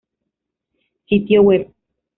Sitio web